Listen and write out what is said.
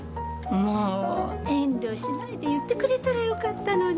もう遠慮しないで言ってくれたらよかったのに。